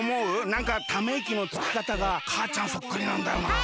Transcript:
なんかためいきのつきかたがかあちゃんそっくりなんだよなあ。